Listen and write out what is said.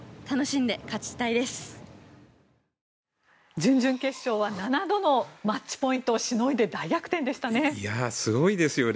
準々決勝は７度のマッチポイントをしのいで大逆転でしたね。